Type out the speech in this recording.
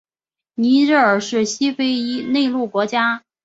尼日尔是西非一内陆国家。